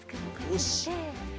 よし！